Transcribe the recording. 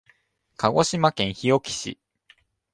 鹿児島県日置市